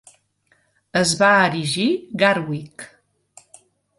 Es va erigir Garwick.